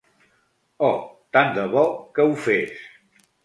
Oh! Tant de bo que ho fes!